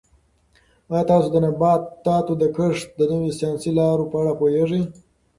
آیا تاسو د نباتاتو د کښت د نویو ساینسي لارو په اړه پوهېږئ؟